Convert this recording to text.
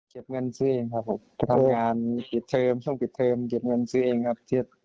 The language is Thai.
เก็บเงินซื้อเองครับผมทำงานปิดเทอมช่วงปิดเทอมเก็บเงินซื้อเองครับ